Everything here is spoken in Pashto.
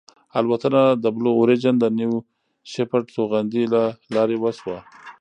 الوتنه د بلو اوریجن د نیو شیپرډ توغندي له لارې وشوه.